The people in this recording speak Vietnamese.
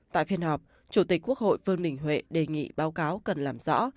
tại phiên họp chủ tịch quốc hội vương đình huệ đề nghị báo cáo cần làm rõ